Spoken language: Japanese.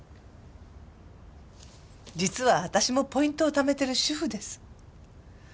実は私もポイントを貯めてる主婦です。